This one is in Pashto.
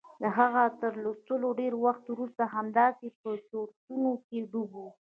د هغه تر لوستلو ډېر وخت وروسته همداسې په چورتونو کې ډوب و.